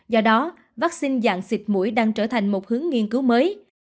do đó vaccine dạng xịt mũi đang trở thành một hướng nghiên cứu mới